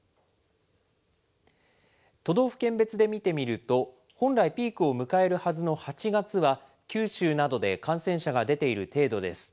都道府県別で見てみると、本来ピークを迎えるはずの８月は、九州などで感染者が出ている程度です。